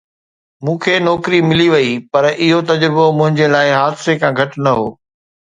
مون کي نوڪري ملي وئي پر اهو تجربو منهنجي لاءِ حادثي کان گهٽ نه هو.